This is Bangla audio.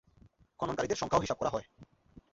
খননকারীদের সংখ্যাও হিসাব করা হয়।